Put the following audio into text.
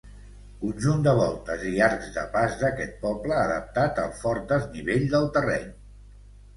Conjunt de voltes i arcs de pas d'aquest poble adaptat al fort desnivell del terreny.